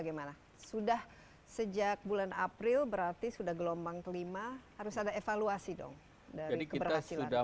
di april berarti sudah gelombang kelima harus ada evaluasi dong dari keberhasilan jadi kita sudah